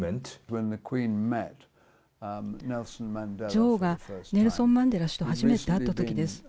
女王がネルソン・マンデラ氏と初めて会った時です。